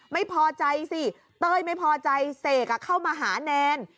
ไม่พอใจสิเต้ยไม่พอใจเสกเข้ามาหาแนน